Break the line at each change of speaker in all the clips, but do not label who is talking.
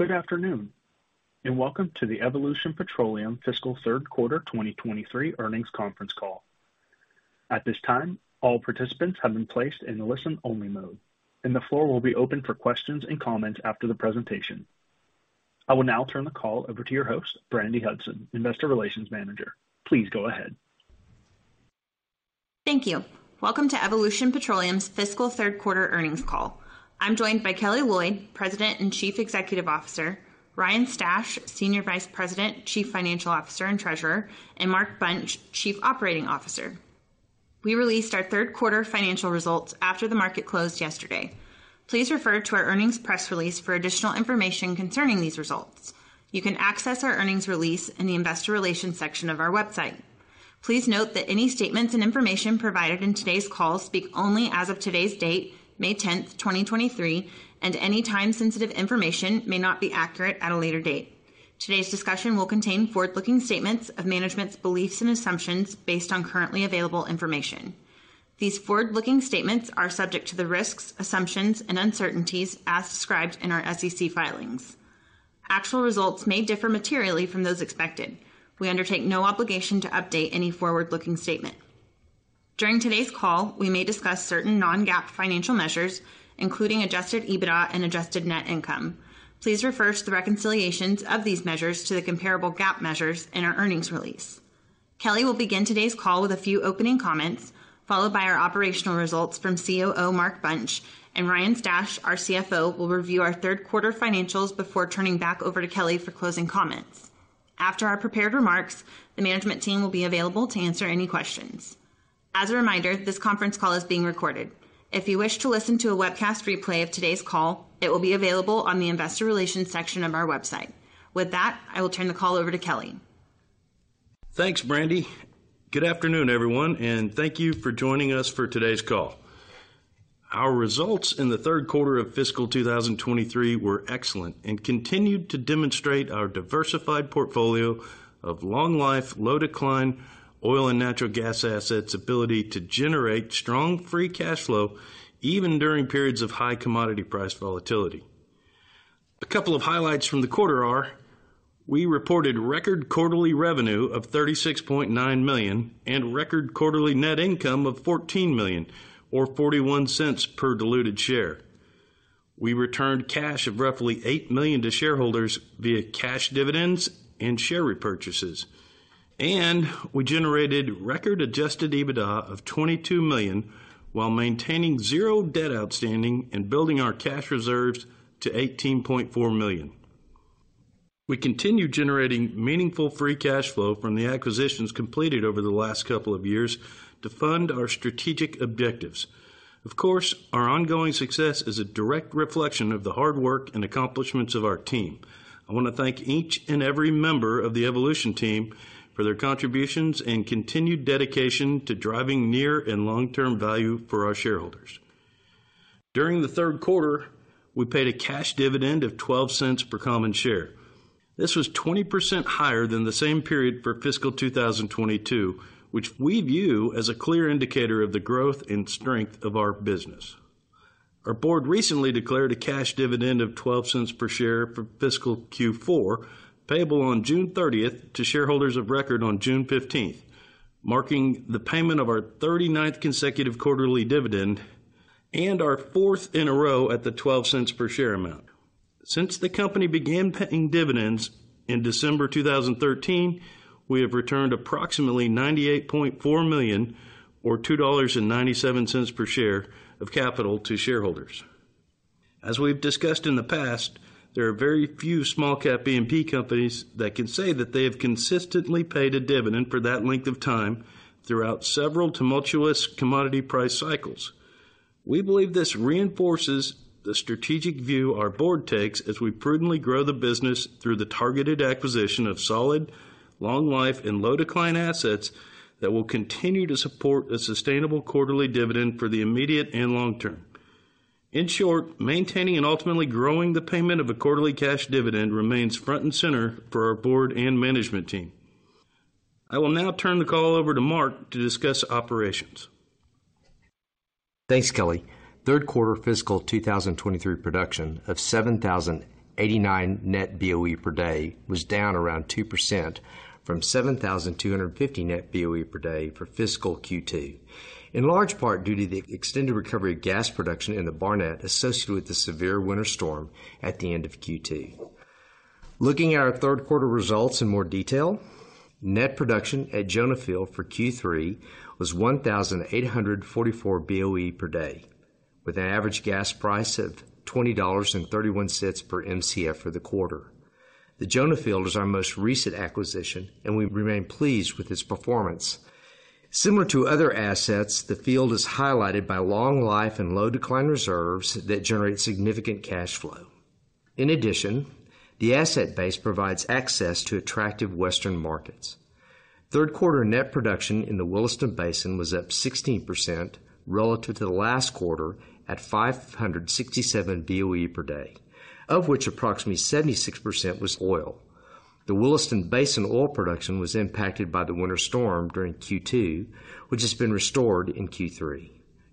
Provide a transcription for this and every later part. Good afternoon. Welcome to the Evolution Petroleum Fiscal Third Quarter 2023 Earnings Conference Call. At this time, all participants have been placed in listen-only mode. The floor will be open for questions and comments after the presentation. I will now turn the call over to your host, Brandi Hudson, Investor Relations Manager. Please go ahead.
Thank you. Welcome to Evolution Petroleum's Fiscal Third Quarter Earnings Call. I'm joined by Kelly Loyd, President and Chief Executive Officer, Ryan Stash, Senior Vice President, Chief Financial Officer, and Treasurer, and Mark Bunch, Chief Operating Officer. We released our third quarter financial results after the market closed yesterday. Please refer to our earnings press release for additional information concerning these results. You can access our earnings release in the investor relations section of our website. Please note that any statements and information provided in today's call speak only as of today's date, May 10th, 2023, and any time-sensitive information may not be accurate at a later date. Today's discussion will contain forward-looking statements of management's beliefs and assumptions based on currently available information. These forward-looking statements are subject to the risks, assumptions and uncertainties as described in our SEC filings. Actual results may differ materially from those expected. We undertake no obligation to update any forward-looking statement. During today's call, we may discuss certain non-GAAP financial measures, including adjusted EBITDA and adjusted net income. Please refer to the reconciliations of these measures to the comparable GAAP measures in our earnings release. Kelly will begin today's call with a few opening comments, followed by our operational results from COO Mark Bunch, and Ryan Stash, our CFO, will review our third quarter financials before turning back over to Kelly for closing comments. After our prepared remarks, the management team will be available to answer any questions. As a reminder, this conference call is being recorded. If you wish to listen to a webcast replay of today's call, it will be available on the investor relations section of our website. With that, I will turn the call over to Kelly.
Thanks, Brandi. Good afternoon, everyone, thank you for joining us for today's call. Our results in the third quarter of fiscal 2023 were excellent and continued to demonstrate our diversified portfolio of long life, low decline oil and natural gas assets ability to generate strong free cash flow even during periods of high commodity price volatility. A couple of highlights from the quarter are: we reported record quarterly revenue of $36.9 million and record quarterly net income of $14 million or $0.41 per diluted share. We returned cash of roughly $8 million to shareholders via cash dividends and share repurchases. We generated record adjusted EBITDA of $22 million while maintaining zero debt outstanding and building our cash reserves to $18.4 million. We continue generating meaningful free cash flow from the acquisitions completed over the last couple of years to fund our strategic objectives. Of course, our ongoing success is a direct reflection of the hard work and accomplishments of our team. I wanna thank each and every member of the Evolution team for their contributions and continued dedication to driving near and long-term value for our shareholders. During the third quarter, we paid a cash dividend of $0.12 per common share. This was 20% higher than the same period for fiscal 2022, which we view as a clear indicator of the growth and strength of our business. Our board recently declared a cash dividend of $0.12 per share for fiscal Q4, payable on June 30th to shareholders of record on June 15th, marking the payment of our 39th consecutive quarterly dividend and our 4th in a row at the $0.12 per share amount. Since the company began paying dividends in December 2013, we've returned approximately $98.4 million or $2.97 per share of capital to shareholders. As we've discussed in the past, there are very few small cap E&P companies that can say that they have consistently paid a dividend for that length of time throughout several tumultuous commodity price cycles. We believe this reinforces the strategic view our board takes as we prudently grow the business through the targeted acquisition of solid, long life and low decline assets that will continue to support a sustainable quarterly dividend for the immediate and long term. In short, maintaining and ultimately growing the payment of a quarterly cash dividend remains front and center for our board and management team. I will now turn the call over to Mark to discuss operations.
Thanks, Kelly. Third quarter fiscal 2023 production of 7,089 net BOE per day was down around 2% from 7,250 BOE per day for fiscal Q2. In large part due to the extended recovery of gas production in the Barnett associated with the severe winter storm at the end of Q2. Looking at our third quarter results in more detail, net production at Jonah Field for Q3 was 1,844 BOE per day with an average gas price of $20.31 per Mcf for the quarter. The Jonah Field was our most recent acquisition, and we remain pleased with its performance. Similar to other assets, the field is highlighted by long life and low decline reserves that generate significant cash flow. In addition, the asset base provides access to attractive Western markets. Third quarter net production in the Williston Basin was up 16% relative to the last quarter at 567 BOE per day, of which approximately 76% was oil. The Williston Basin oil production was impacted by the winter storm during Q2, which has been restored in Q3.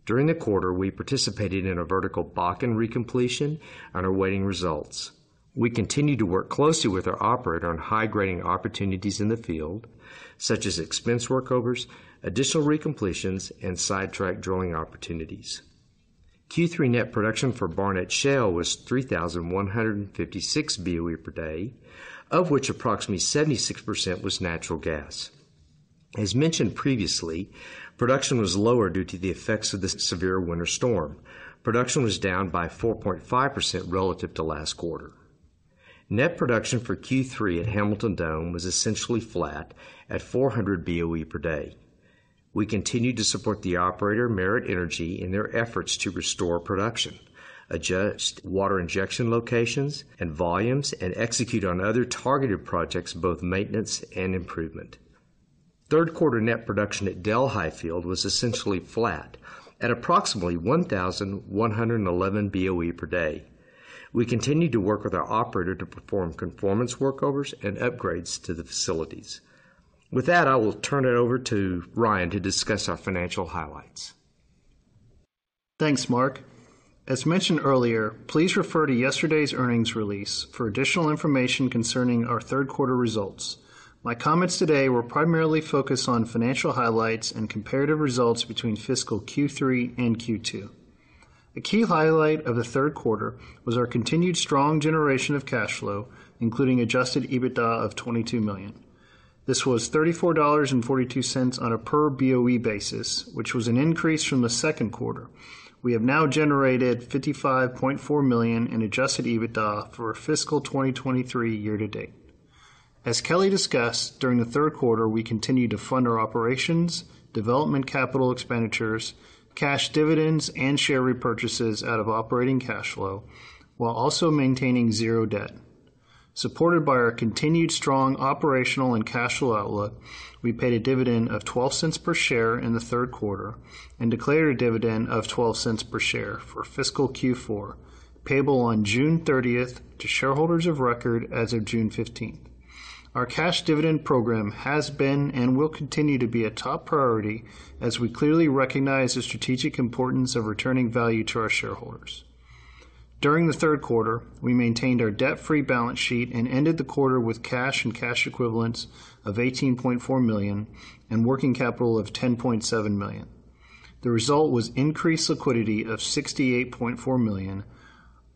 During the quarter, we participated in a vertical Bakken recompletion and are awaiting results. We continue to work closely with our operator on high-grading opportunities in the field, such as expense workovers, additional recompletions, and sidetrack drilling opportunities. Q3 net production for Barnett Shale was 3,156 BOE per day, of which approximately 76% was natural gas. As mentioned previously, production was lower due to the effects of the severe winter storm. Production was down by 4.5% relative to last quarter. Net production for Q3 at Hamilton Dome was essentially flat at 400 BOE per day. We continue to support the operator, Merit Energy, in their efforts to restore production, adjust water injection locations and volumes, and execute on other targeted projects, both maintenance and improvement. Third-quarter net production at Delhi Field was essentially flat at approximately 1,111 BOE per day. We continue to work with our operator to perform conformance workovers and upgrades to the facilities. With that, I will turn it over to Ryan to discuss our financial highlights.
Thanks, Mark. As mentioned earlier, please refer to yesterday's earnings release for additional information concerning our third quarter results. My comments today will primarily focus on financial highlights and comparative results between fiscal Q3 and Q2. A key highlight of the third quarter was our continued strong generation of cash flow, including adjusted EBITDA of $22 million. This was $34.42 on a per BOE basis, which was an increase from the second quarter. We have now generated $55.4 million in adjusted EBITDA for fiscal 2023 year to date. As Kelly discussed, during the third quarter, we continued to fund our operations, development capital expenditures, cash dividends, and share repurchases out of operating cash flow while also maintaining zero debt. Supported by our continued strong operational and cash flow outlook, we paid a dividend of $0.12 per share in the third quarter and declared a dividend of $0.12 per share for fiscal Q4, payable on June 30th to shareholders of record as of June 15th. Our cash dividend program has been and will continue to be a top priority as we clearly recognize the strategic importance of returning value to our shareholders. During the third quarter, we maintained our debt-free balance sheet and ended the quarter with cash and cash equivalents of $18.4 million and working capital of $10.7 million. The result was increased liquidity of $68.4 million,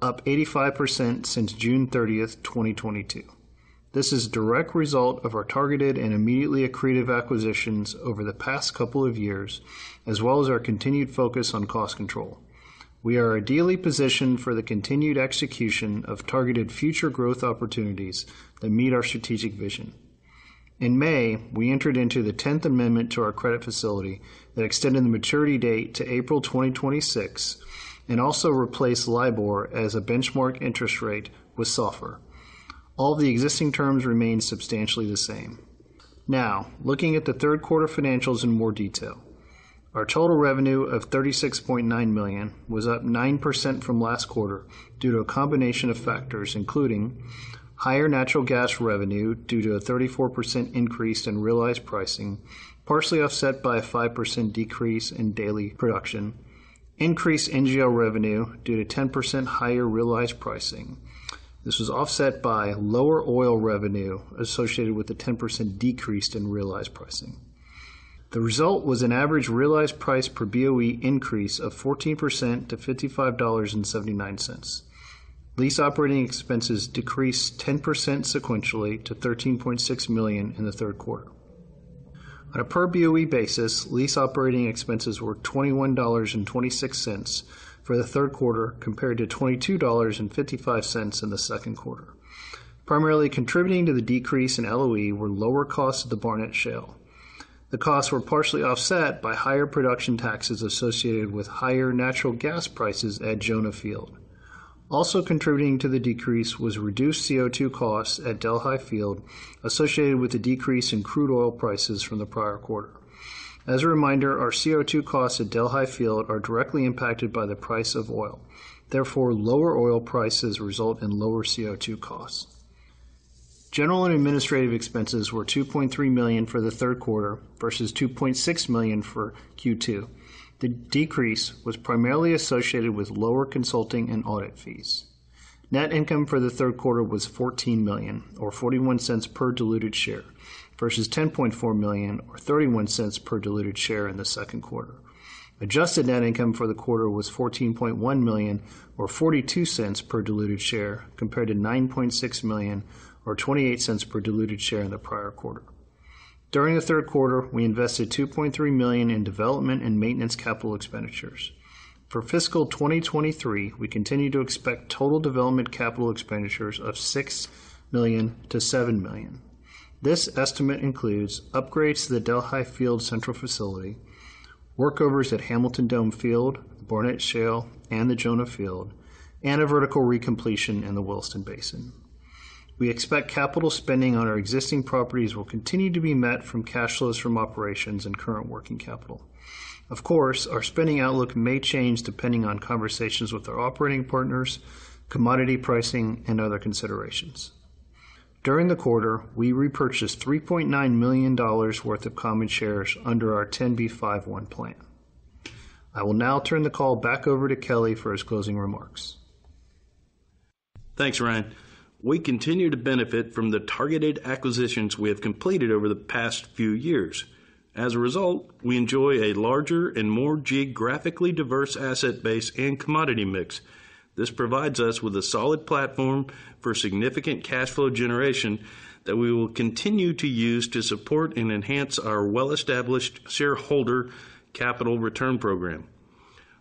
up 85% since June 30th, 2022. This is a direct result of our targeted and immediately accretive acquisitions over the past couple of years, as well as our continued focus on cost control. We are ideally positioned for the continued execution of targeted future growth opportunities that meet our strategic vision. In May, we entered into the 10th amendment to our credit facility that extended the maturity date to April 2026 and also replaced LIBOR as a benchmark interest rate with SOFR. All the existing terms remain substantially the same. Looking at the third quarter financials in more detail. Our total revenue of $36.9 million was up 9% from last quarter due to a combination of factors, including higher natural gas revenue due to a 34% increase in realized pricing, partially offset by a 5% decrease in daily production. Increased NGL revenue due to 10% higher realized pricing. This was offset by lower oil revenue associated with the 10% decrease in realized pricing. The result was an average realized price per BOE increase of 14% to $55.79. Lease operating expenses decreased 10% sequentially to $13.6 million in the third quarter. On a per BOE basis, lease operating expenses were $21.26 for the third quarter compared to $22.55 in the second quarter. Primarily contributing to the decrease in LOE were lower costs at the Barnett Shale. The costs were partially offset by higher production taxes associated with higher natural gas prices at Jonah Field. Also contributing to the decrease was reduced CO2 costs at Delhi Field associated with the decrease in crude oil prices from the prior quarter. As a reminder, our CO2 costs at Delhi Field are directly impacted by the price of oil. Therefore, lower oil prices result in lower CO2 costs. General and administrative expenses were $2.3 million for the third quarter versus $2.6 million for Q2. The decrease was primarily associated with lower consulting and audit fees. Net income for the third quarter was $14 million or $0.41 per diluted share versus $10.4 million or $0.31 per diluted share in the second quarter. Adjusted net income for the quarter was $14.1 million or $0.42 per diluted share compared to $9.6 million or $0.28 per diluted share in the prior quarter. During the third quarter, we invested $2.3 million in development and maintenance capital expenditures. For fiscal 2023, we continue to expect total development capital expenditures of $6 million-$7 million. This estimate includes upgrades to the Delhi Field Central Facility, workovers at Hamilton Dome Field, Barnett Shale, and the Jonah Field, and a vertical recompletion in the Williston Basin. We expect capital spending on our existing properties will continue to be met from cash flows from operations and current working capital. Of course, our spending outlook may change depending on conversations with our operating partners, commodity pricing, and other considerations.
During the quarter, we repurchased $3.9 million worth of common shares under our 10b5-1 plan. I will now turn the call back over to Kelly for his closing remarks.
Thanks, Ryan. We continue to benefit from the targeted acquisitions we have completed over the past few years. As a result, we enjoy a larger and more geographically diverse asset base and commodity mix. This provides us with a solid platform for significant cash flow generation that we will continue to use to support and enhance our well-established shareholder capital return program.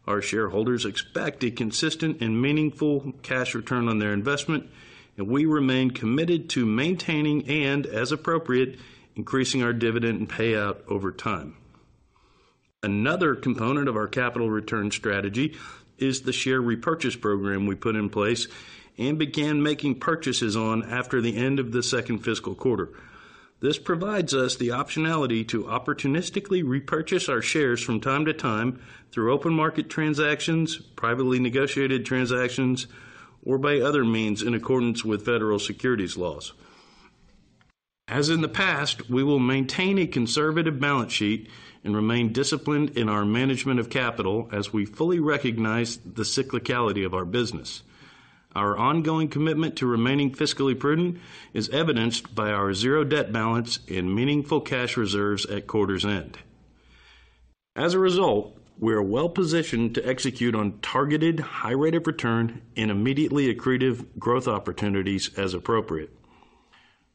Our shareholders expect a consistent and meaningful cash return on their investment, and we remain committed to maintaining and, as appropriate, increasing our dividend and payout over time. Another component of our capital return strategy is the share repurchase program we put in place and began making purchases on after the end of the second fiscal quarter. This provides us the optionality to opportunistically repurchase our shares from time to time through open market transactions, privately negotiated transactions, or by other means in accordance with federal securities laws. As in the past, we will maintain a conservative balance sheet and remain disciplined in our management of capital as we fully recognize the cyclicality of our business. Our ongoing commitment to remaining fiscally prudent is evidenced by our zero debt balance in meaningful cash reserves at quarter's end. As a result, we are well positioned to execute on targeted high rate of return and immediately accretive growth opportunities as appropriate.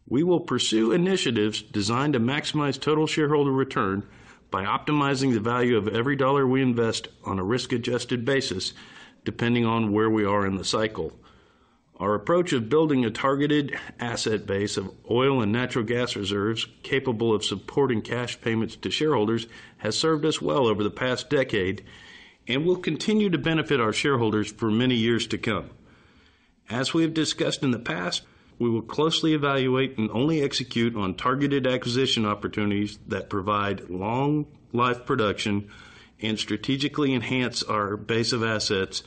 We will pursue initiatives designed to maximize total shareholder return by optimizing the value of every dollar we invest on a risk-adjusted basis depending on where we are in the cycle. Our approach of building a targeted asset base of oil and natural gas reserves capable of supporting cash payments to shareholders has served us well over the past decade and will continue to benefit our shareholders for many years to come. As we have discussed in the past, we will closely evaluate and only execute on targeted acquisition opportunities that provide long life production and strategically enhance our base of assets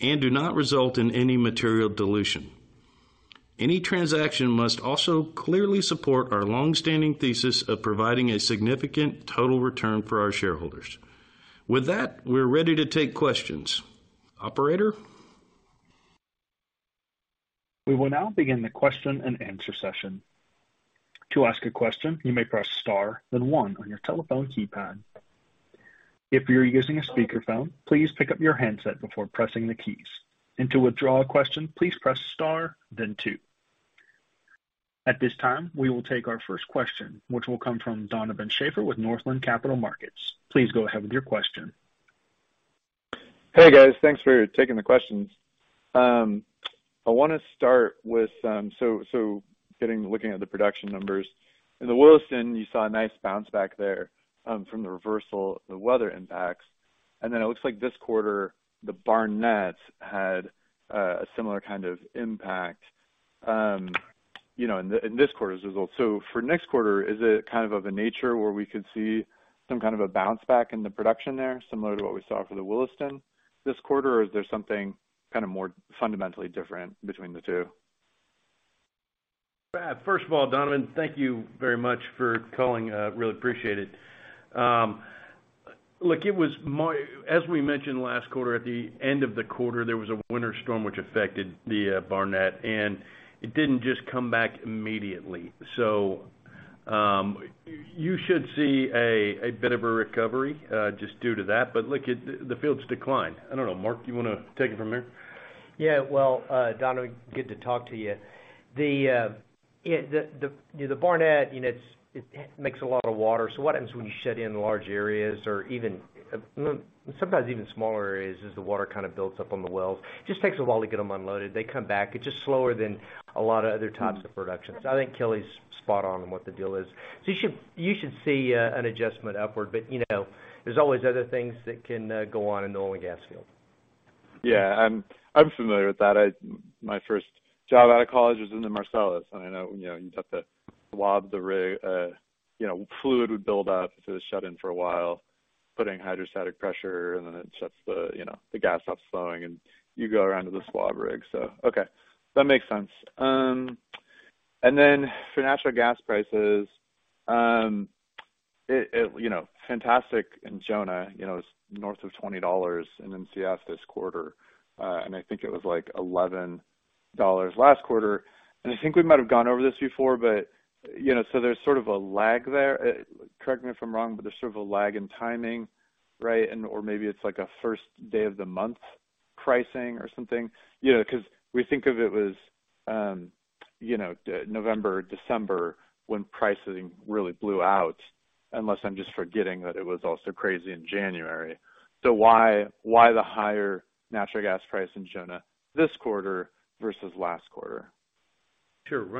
and do not result in any material dilution. Any transaction must also clearly support our long-standing thesis of providing a significant total return for our shareholders. With that, we're ready to take questions. Operator?
We will now begin the question-and-answer session. To ask a question, you may press Star, then 1 on your telephone keypad. If you're using a speakerphone, please pick up your handset before pressing the keys. To withdraw a question, please press Star then 2. At this time, we will take our first question, which will come from Donovan Schafer with Northland Capital Markets. Please go ahead with your question.
Hey, guys. Thanks for taking the questions. I want to start with looking at the production numbers. In the Williston, you saw a nice bounce back there from the reversal, the weather impacts. It looks like this quarter, the Barnett had a similar kind of impact, you know, in this quarter's results. For next quarter, is it kind of a nature where we could see some kind of a bounce back in the production there, similar to what we saw for the Williston this quarter, or is there something kind of more fundamentally different between the two?
First of all, Donovan, thank you very much for calling. Really appreciate it. Look, it was more-- As we mentioned last quarter, at the end of the quarter, there was a winter storm which affected the Barnett, and it didn't just come back immediately. You should see a bit of a recovery just due to that. Look at the field's decline. I don't know. Mark, do you wanna take it from here?
Yeah. Well, Donovan, good to talk to you. Yeah, the Barnett, you know, it's, it makes a lot of water. What happens when you shut in large areas or even sometimes even smaller areas is the water kind of builds up on the wells. Just takes a while to get them unloaded. They come back. It's just slower than a lot of other types of productions. I think Kelly's spot on what the deal is. You should see an adjustment upward. You know, there's always other things that can go on in an oil and gas field.
Yeah, I'm familiar with that. My first job out of college was in the Marcellus, and I know, you know, you'd have to swab the rig. you know, fluid would build up if it was shut in for a while, putting hydrostatic pressure, and then it shuts the, you know, the gas stops flowing, and you go around to the swab rig. Okay, that makes sense. Then for natural gas prices, you know, fantastic in Jonah, you know, north of $20 in Mcf this quarter. I think it was, like, $11 last quarter. I think we might have gone over this before, but, you know, there's sort of a lag there. Correct me if I'm wrong, but there's sort of a lag in timing, right? Or maybe it's like a first day of the month pricing or something, you know, 'cause we think of it was, you know, the November, December when pricing really blew out, unless I'm just forgetting that it was also crazy in January. Why the higher natural gas price in Jonah this quarter versus last quarter?
Sure.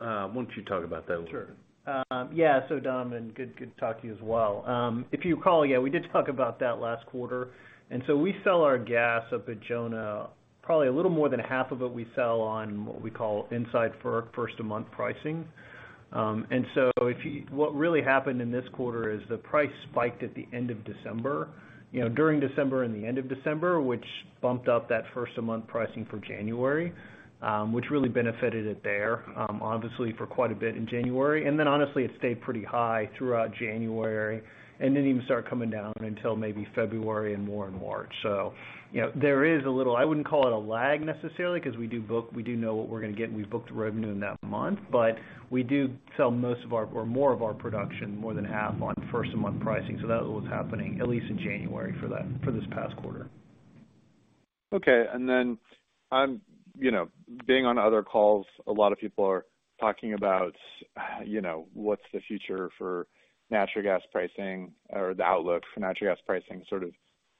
Ryan, why don't you talk about that a little bit?
Sure. Yeah, Donovan, good to talk to you as well. If you recall, yeah, we did talk about that last quarter. We sell our gas up at Jonah. Probably a little more than half of it we sell on what we call inside first of month pricing. What really happened in this quarter is the price spiked at the end of December, you know, during December and the end of December, which bumped up that first-of-month pricing for January, which really benefited it there, obviously for quite a bit in January. Honestly, it stayed pretty high throughout January and didn't even start coming down until maybe February and more in March. You know, there is a little, I wouldn't call it a lag necessarily 'cause we do book, we do know what we're gonna get, and we've booked the revenue in that month. We do sell most of our, or more of our production, more than half on first-of-month pricing. That was happening at least in January for that, for this past quarter.
Okay. You know, being on other calls, a lot of people are talking about, you know, what's the future for natural gas pricing or the outlook for natural gas pricing, sort of,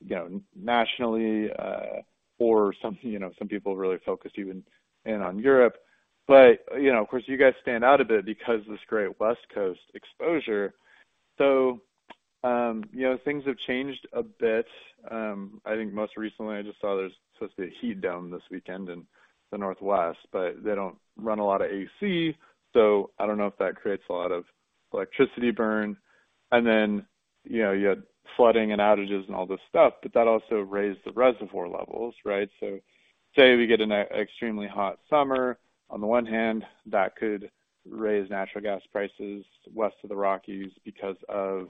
you know, nationally, or something, you know, some people really focus even in on Europe. You know, of course, you guys stand out a bit because of this great West Coast exposure. You know, things have changed a bit. I think most recently I just saw there's supposed to heat dome this weekend in the Northwest, but they don't run a lot of AC, so I don't know if that creates a lot of electricity burn. You know, you had flooding and outages and all this stuff, but that also raised the reservoir levels, right? Say we get an extremely hot summer, on the one hand that could raise natural gas prices west of the Rockies because of,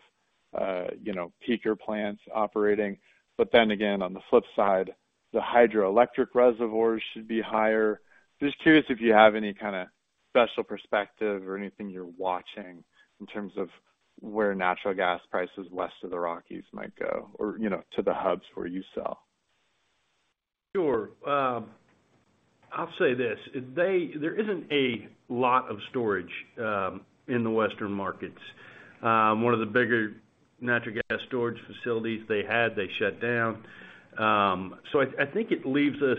you know, peaker plants operating. On the flip side, the hydroelectric reservoirs should be higher. Just curious if you have any kind of special perspective or anything you're watching in terms of where natural gas prices west of the Rockies might go or, you know, to the hubs where you sell.
Sure. I'll say this. There isn't a lot of storage in the Western markets. One of the bigger natural gas storage facilities they had, they shut down. I think it leaves us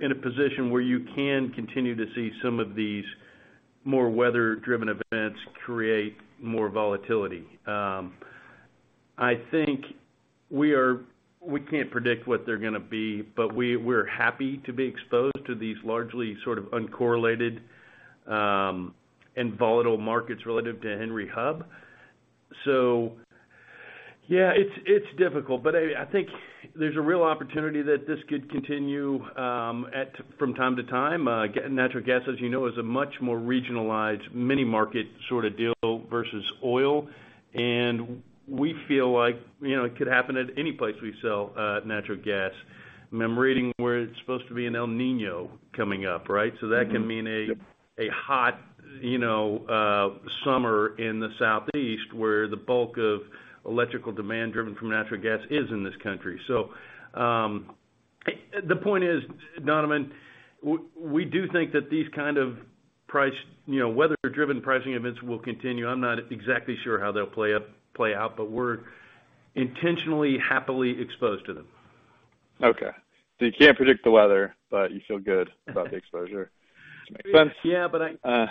in a position where you can continue to see some of these more weather-driven events create more volatility. I think we can't predict what they're gonna be, but we're happy to be exposed to these largely sort of uncorrelated, and volatile markets relative to Henry Hub. Yeah, it's difficult, but I think there's a real opportunity that this could continue from time to time. Natural gas, as you know, is a much more regionalized mini market sort of deal versus oil, and we feel like, you know, it could happen at any place we sell natural gas. I'm reading where it's supposed to be an El Niño coming up, right?
Mm-hmm. Yep.
That can mean a hot, you know, summer in the southeast where the bulk of electrical demand driven from natural gas is in this country. The point is, Donovan, we do think that these kind of price, you know, weather-driven pricing events will continue. I'm not exactly sure how they'll play out, but we're intentionally happily exposed to them.
Okay. You can't predict the weather, but you feel good about the exposure. Makes sense.
Yeah.
Uh.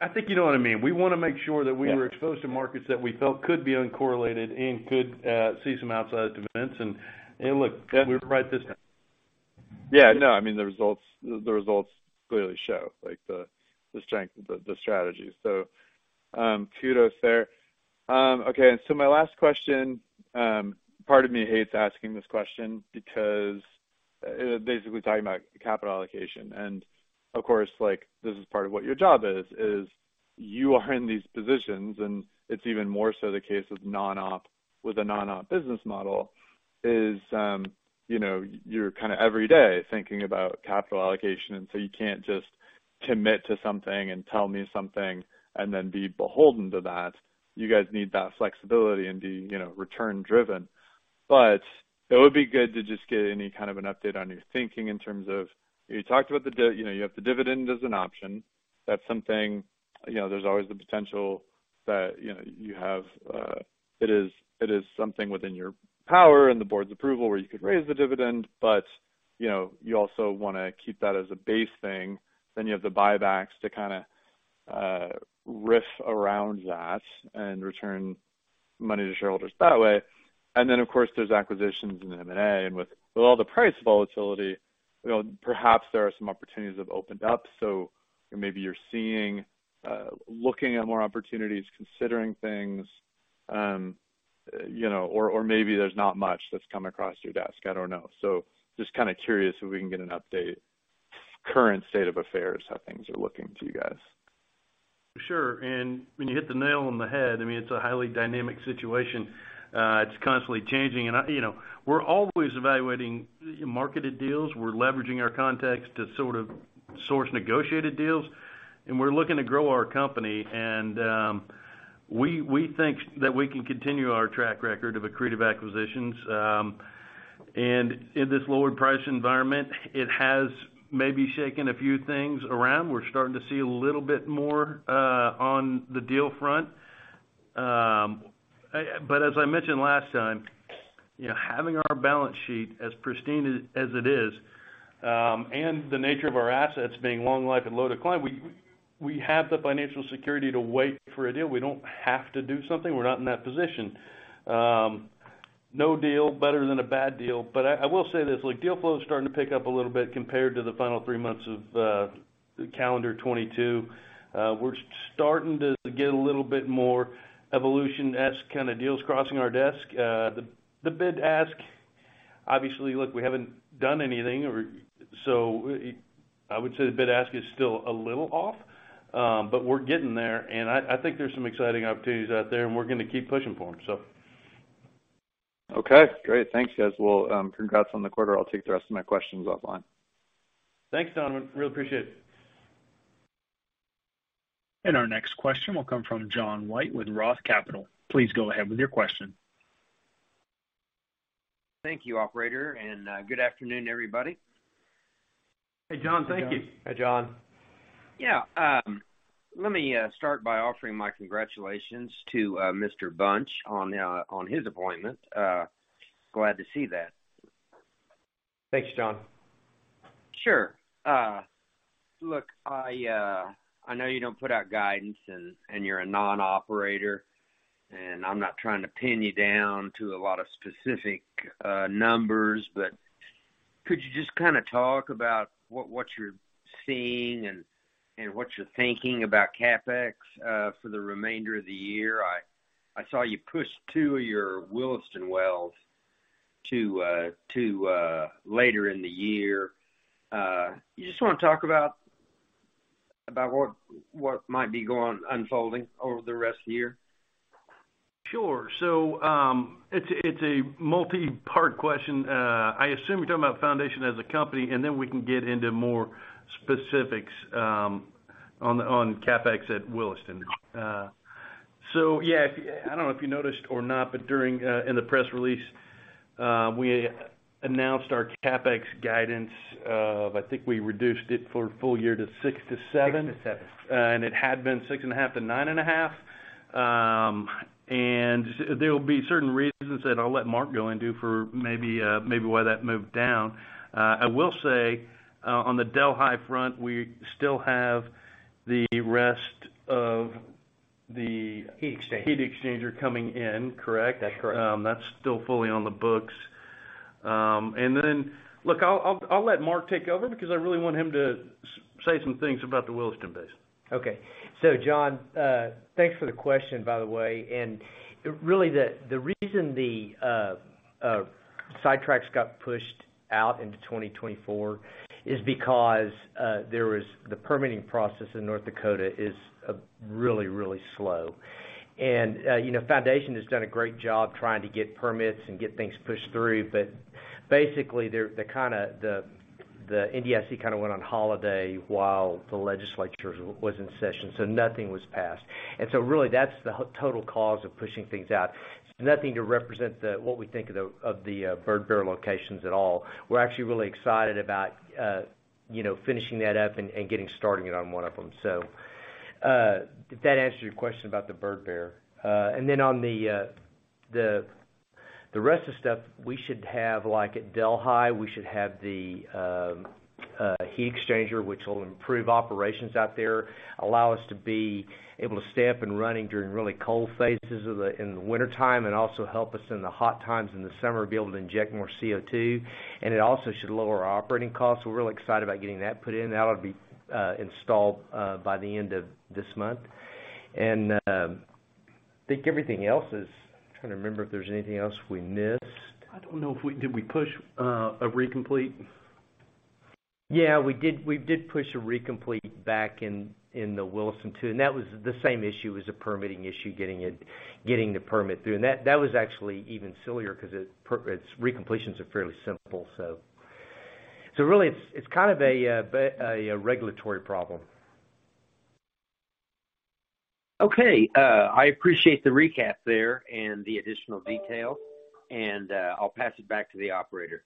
I think you know what I mean. We wanna make sure that we were exposed to markets that we felt could be uncorrelated and could see some outside events. Look, we're right this time.
Yeah, no, I mean, the results clearly show like the strength of the strategy. Kudos there. Okay, my last question, part of me hates asking this question because basically talking about capital allocation, and of course, like this is part of what your job is you are in these positions, and it's even more so the case with a non-op business model is, you know, you're kind of every day thinking about capital allocation, and so you can't just commit to something and tell me something and then be beholden to that. You guys need that flexibility and be, you know, return driven. It would be good to just get any kind of an update on your thinking in terms of... You talked about the dividend, you know, you have the dividend as an option. That's something, you know, there's always the potential that, you know, you have, it is something within your power and the board's approval where you could raise the dividend, but you know, you also wanna keep that as a base thing. You have the buybacks to kind of riff around that and return money to shareholders that way. Of course, there's acquisitions and M&A, and with all the price volatility, you know, perhaps there are some opportunities have opened up. Maybe you're seeing, looking at more opportunities, considering things, you know, or maybe there's not much that's come across your desk. I don't know. Just kind of curious if we can get an update, current state of affairs, how things are looking to you guys?
Sure. I mean, you hit the nail on the head. I mean, it's a highly dynamic situation. It's constantly changing. I, you know, we're always evaluating marketed deals. We're leveraging our contacts to sort of source negotiated deals, and we're looking to grow our company. We think that we can continue our track record of accretive acquisitions. In this lower price environment, it has maybe shaken a few things around. We're starting to see a little bit more on the deal front. As I mentioned last time, you know, having our balance sheet as pristine as it is, and the nature of our assets being long life and low decline, we have the financial security to wait for a deal. We don't have to do something. We're not in that position. No deal better than a bad deal. I will say this, look, deal flow is starting to pick up a little bit compared to the final three months of calendar 2022. We're starting to get a little bit more Evolution-esque kind of deals crossing our desk. The bid ask, obviously, look, we haven't done anything. I would say the bid ask is still a little off, but we're getting there. I think there's some exciting opportunities out there, and we're gonna keep pushing for them, so.
Okay, great. Thanks, guys. Well, congrats on the quarter. I'll take the rest of my questions offline.
Thanks, Don. Really appreciate it.
Our next question will come from John White with Roth Capital. Please go ahead with your question.
Thank you, operator, and, good afternoon, everybody.
Hey, John. Thank you.
Hi, John.
Yeah, let me start by offering my congratulations to Mr. Bunch on his appointment. Glad to see that.
Thanks, John.
Sure. Look, I know you don't put out guidance and you're a non-operator, and I'm not trying to pin you down to a lot of specific numbers, but could you just kinda talk about what you're seeing and what you're thinking about CapEx for the remainder of the year? I saw you push two of your Williston wells to later in the year. You just wanna talk about what might be going unfolding over the rest of the year?
Sure. It's a multi-part question. I assume you're talking about Foundation as a company, and then we can get into more specifics on CapEx at Williston. Yeah, if, I don't know if you noticed or not, but during in the press release, we announced our CapEx guidance of I think we reduced it for full year to $6 million-$7 million. Six to seven. It had been 6.5-9.5. There will be certain reasons that I'll let Mark go into for maybe why that moved down. I will say on the Delhi front, we still have the rest of.
Heat exchanger.
heat exchanger coming in, correct?
That's correct.
That's still fully on the books. Look, I'll let Mark take over because I really want him to say some things about the Williston Basin.
Okay. John, thanks for the question, by the way. Really, the reason the sidetracks got pushed out into 2024 is because the permitting process in North Dakota is really, really slow. You know, Foundation has done a great job trying to get permits and get things pushed through. Basically, they're the NDIC kinda went on holiday while the legislature was in session, so nothing was passed. Really that's the total cause of pushing things out. It's nothing to represent what we think of the Birdbear locations at all. We're actually really excited about, you know, finishing that up and getting started on one of them. If that answers your question about the Birdbear. On the rest of the stuff, we should have, like at Delhi, we should have the heat exchanger, which will improve operations out there, allow us to be able to stay up and running during really cold phases of the wintertime, and also help us in the hot times in the summer, be able to inject more CO2. It also should lower our operating costs. We're really excited about getting that put in. That'll be installed by the end of this month. I think everything else is... I'm trying to remember if there's anything else we missed.
Did we push a re-complete?
Yeah, we did push a re-complete back in the Williston too. That was the same issue. It was a permitting issue, getting the permit through. That was actually even sillier 'cause its re-completions are fairly simple. Really it's kind of a regulatory problem.
Okay. I appreciate the recap there and the additional detail, and I'll pass it back to the operator.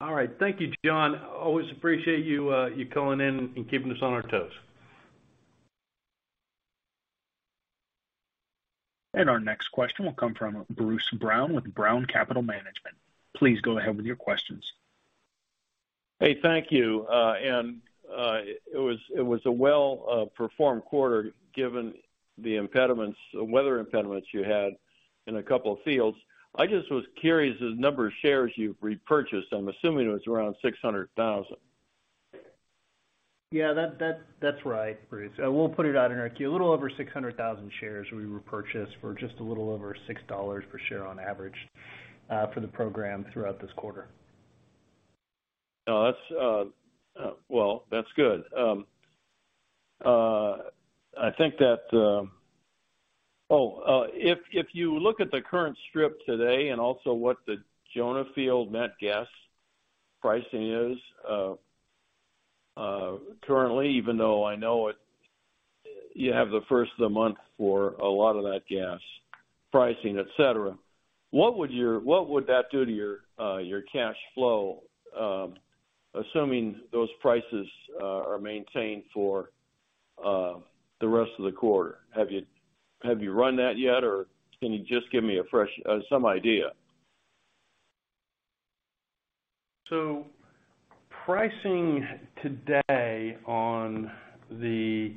All right. Thank you, John. Always appreciate you calling in and keeping us on our toes.
Our next question will come from Bruce Brown with Brown Capital Management. Please go ahead with your questions.
Hey, thank you. It was a well performed quarter given the impediments, weather impediments you had in a couple of fields. I just was curious, the number of shares you've repurchased, I'm assuming it was around 600,000.
Yeah, that's right, Bruce. We'll put it out in our Q. A little over 600,000 shares we repurchased for just a little over $6 per share on average for the program throughout this quarter.
No, that's, well, that's good. I think that. Oh, if you look at the current strip today and also what the Jonah field net gas pricing is currently, even though I know it, you have the first of the month for a lot of that gas pricing, et cetera, what would that do to your cash flow, assuming those prices are maintained for the rest of the quarter? Have you run that yet, or can you just give me a fresh, some idea?
Pricing today on the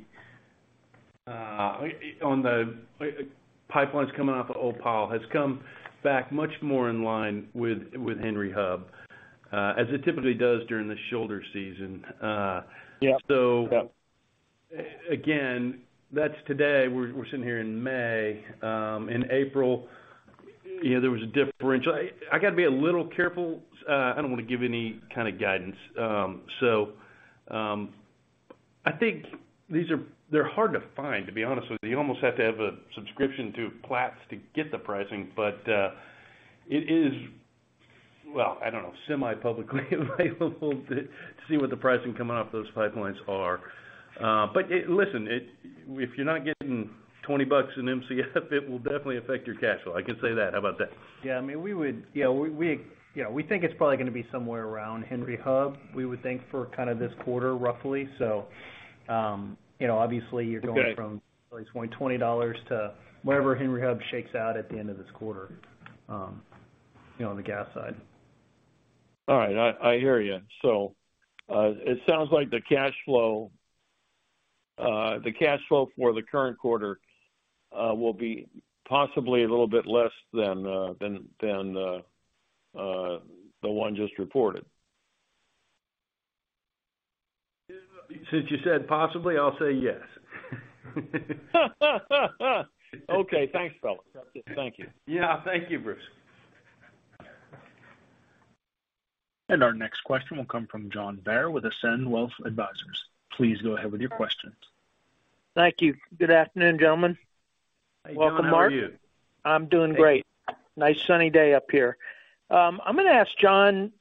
pipelines coming off of OPAL has come back much more in line with Henry Hub.
Yeah.
So-
Yep.
Again, that's today. We're sitting here in May. In April, you know, there was a differential. I gotta be a little careful. I don't wanna give any kind of guidance. I think these are... They're hard to find, to be honest with you. You almost have to have a subscription to Platts to get the pricing. It is, well, I don't know, semi-publicly available to see what the pricing coming off those pipelines are. Listen, if you're not getting $20 in MCF, it will definitely affect your cash flow. I can say that. How about that?
Yeah, I mean, we think it's probably gonna be somewhere around Henry Hub, we would think, for kind of this quarter, roughly. you know, obviously you're going from.
Okay.
at least $20 to wherever Henry Hub shakes out at the end of this quarter, you know, on the gas side.
All right. I hear you. It sounds like the cash flow for the current quarter will be possibly a little bit less than the one just reported.
Since you said possibly, I'll say yes.
Okay. Thanks, fellas. That's it. Thank you.
Yeah. Thank you, Bruce.
Our next question will come from John Bair with Ascend Wealth Advisors. Please go ahead with your questions.
Thank you. Good afternoon, gentlemen.
Hey, John. How are you?
Welcome, Mark.
I'm doing great. Nice sunny day up here. I'm going to ask John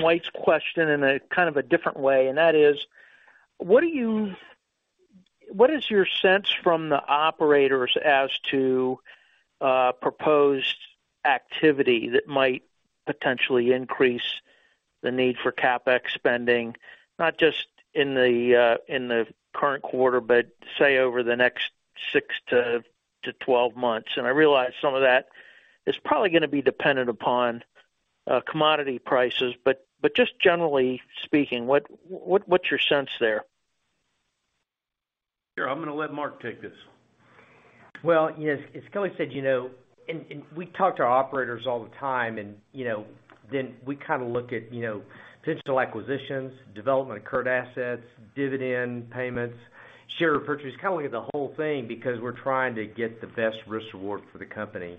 White's question in a kind of a different way, and that is, What is your sense from the operators as to proposed activity that might potentially increase the need for CapEx spending, not just in the current quarter, but say, over the next 6-12 months? I realize some of that is probably going to be dependent upon commodity prices. Just generally speaking, what's your sense there?
Sure. I'm gonna let Mark take this.
Well, you know, as Kelly said, you know, and we talk to our operators all the time and, you know, then we kinda look at, you know, potential acquisitions, development of current assets, dividend payments, share repurchase, kinda look at the whole thing because we're trying to get the best risk reward for the company.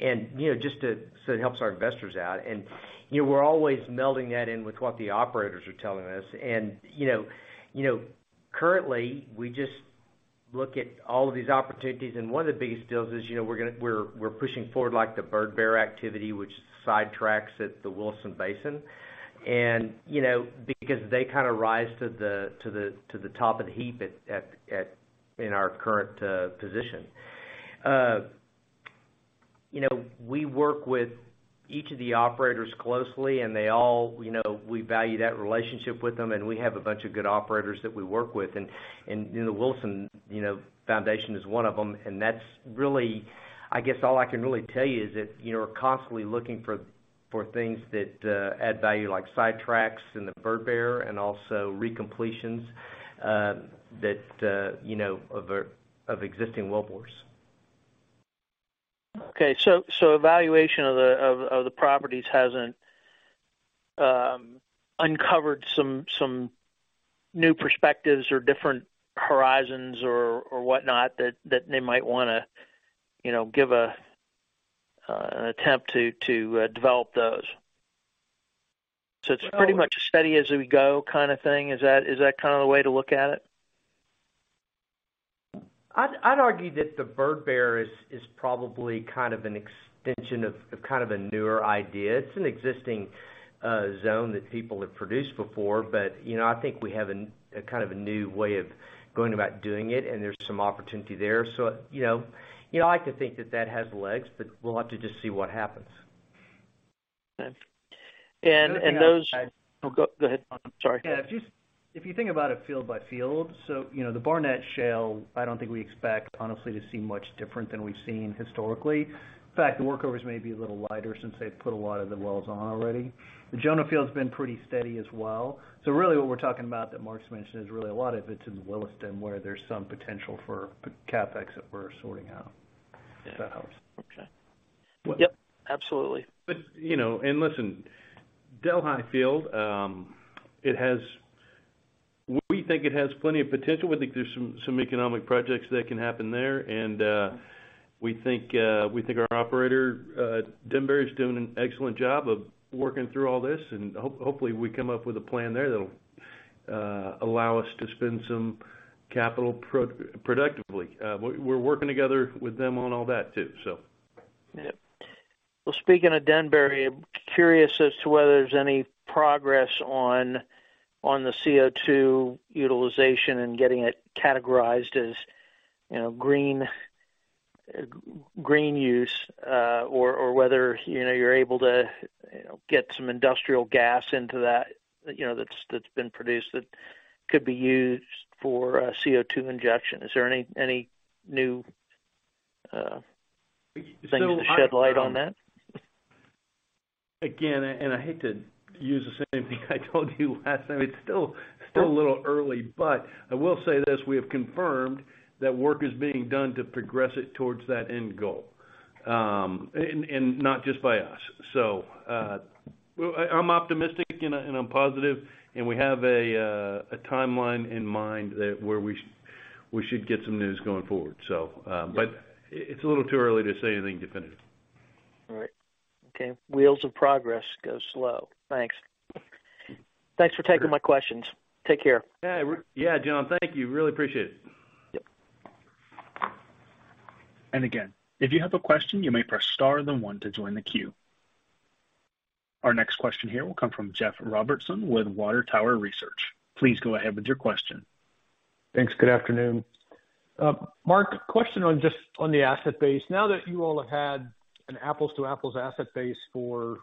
You know, so it helps our investors out. You know, we're always melding that in with what the operators are telling us. You know, you know, currently, we just look at all of these opportunities, and one of the biggest deals is, you know, we're pushing forward like the Birdbear activity, which sidetracks at the Williston Basin. You know, because they kinda rise to the top of the heap at in our current position. You know, we work with each of the operators closely, and they all, you know, we value that relationship with them, and we have a bunch of good operators that we work with. You know, the Williston, you know, Foundation is one of them. That's really, I guess all I can really tell you is that, you know, we're constantly looking for things that add value, like sidetracks in the Birdbear and also recompletions that, you know, of existing wellbores.
Evaluation of the properties hasn't uncovered some new perspectives or different horizons or whatnot that they might wanna, you know, give an attempt to develop those?
Well-
It's pretty much a steady as we go kinda thing. Is that, is that kinda the way to look at it?
I'd argue that the Bird Bear is probably kind of an extension of kind of a newer idea. It's an existing zone that people have produced before, but, you know, I think we have a kind of a new way of going about doing it, and there's some opportunity there. You know, I like to think that that has legs, but we'll have to just see what happens.
Okay.
The other thing.
Oh, go ahead, John. I'm sorry.
Yeah. If you think about it field by field, you know, the Barnett Shale, I don't think we expect honestly to see much different than we've seen historically. In fact, the workovers may be a little lighter since they've put a lot of the wells on already. The Jonah Field's been pretty steady as well. Really what we're talking about that Mark's mentioned is really a lot of it's in the Williston, where there's some potential for CapEx that we're sorting out.
Yeah.
If that helps.
Okay.
Well-
Yep, absolutely.
You know, and listen, Delhi Field, We think it has plenty of potential. We think there's some economic projects that can happen there. We think, we think our operator, Denbury, is doing an excellent job of working through all this. Hopefully we come up with a plan there that'll allow us to spend some capital productively. We're working together with them on all that too, so.
Yep. Well, speaking of Denbury, I'm curious as to whether there's any progress on the CO2 utilization and getting it categorized as, you know, green use, or whether, you know, you're able to, you know, get some industrial gas into that, you know, that's been produced that could be used for CO2 injection. Is there any new things to shed light on that?
Again, I hate to use the same thing I told you last time, it's still a little early, but I will say this, we have confirmed that work is being done to progress it towards that end goal. Not just by us. I'm optimistic and I'm positive, and we have a timeline in mind that where we should get some news going forward. It's a little too early to say anything definitive.
All right. Okay. Wheels of progress go slow. Thanks. Thanks for taking my questions. Take care.
Yeah. Yeah, John. Thank you. Really appreciate it.
Yep.
Again, if you have a question, you may press star then one to join the queue. Our next question here will come from Jeff Robertson with Water Tower Research. Please go ahead with your question.
Thanks. Good afternoon. Mark, question on the asset base. Now that you all have had an apples to apples asset base for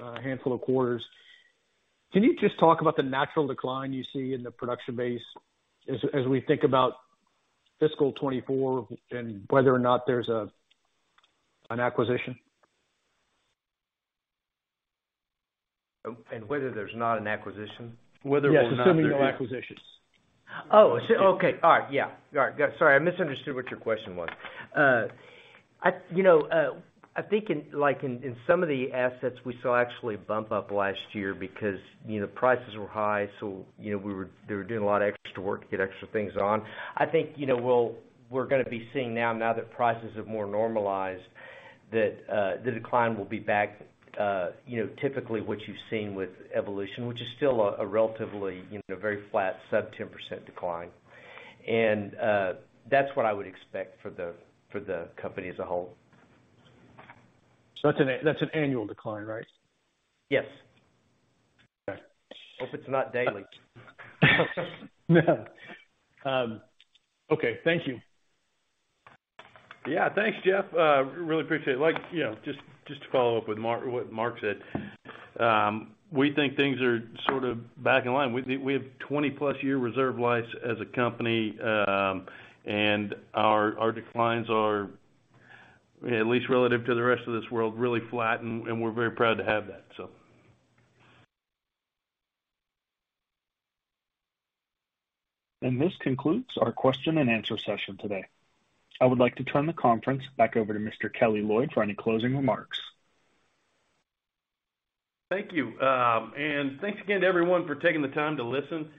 a handful of quarters, can you just talk about the natural decline you see in the production base as we think about fiscal 2024 and whether or not there's an acquisition?
Whether there's not an acquisition?
Whether or not-
Yes, assuming no acquisitions.
Oh, okay. All right. Yeah. All right. Sorry, I misunderstood what your question was. I, you know, I think in some of the assets we saw actually bump up last year because, you know, prices were high, so, you know, they were doing a lot of extra work to get extra things on. I think, you know, we're gonna be seeing now that prices are more normalized, that the decline will be back, you know, typically what you've seen with Evolution, which is still a relatively, you know, very flat sub 10% decline. That's what I would expect for the, for the company as a whole.
That's an annual decline, right?
Yes.
Okay.
Hope it's not daily.
No. Okay. Thank you.
Yeah. Thanks, Jeff. Really appreciate it. Like, you know, just to follow up with what Mark said, we think things are sort of back in line. We have 20-plus year reserve life as a company, and our declines are at least relative to the rest of this world, really flat, and we're very proud to have that, so.
This concludes our question and answer session today. I would like to turn the conference back over to Mr. Kelly Loyd for any closing remarks.
Thank you. Thanks again to everyone for taking the time to listen.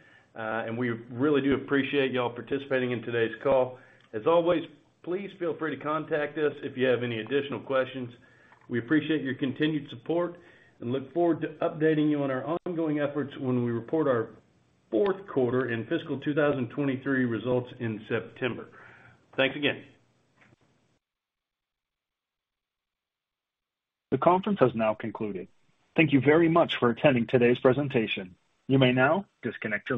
We really do appreciate y'all participating in today's call. As always, please feel free to contact us if you have any additional questions. We appreciate your continued support and look forward to updating you on our ongoing efforts when we report our fourth quarter and fiscal 2023 results in September. Thanks again.
The conference has now concluded. Thank you very much for attending today's presentation. You may now disconnect your lines.